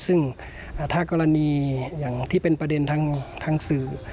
ซึ่งถ้ากรณีอย่างที่เป็นประเด็นทางสื่อ